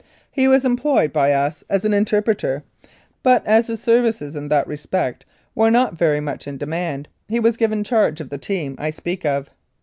He was employed by us as an interpreter, but as his services in that respect were not very much in demand, he was given charge of the team I speak of.